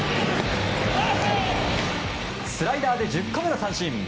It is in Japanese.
スライダーで１０個目の三振。